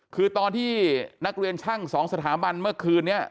คือตอนที่นักเรียนช่าง๒สถาบันเมื่อคืนนี้